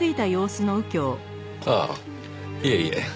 ああいえいえ。